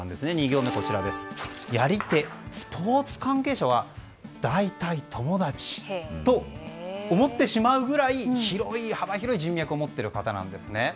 ２行目、やり手スポーツ関係者はだいたい友達と思ってしまうぐらい幅広い人脈を持っている方なんです。